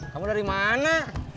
kamu dari mana